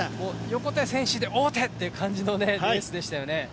横手選手で王手って感じのレースでしたよね。